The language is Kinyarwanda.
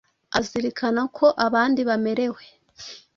azirikana uko abandi bamerewe